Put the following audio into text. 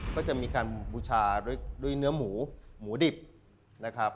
ก็จะมีการบูชาด้วยเนื้อหมูหมูดิบนะครับ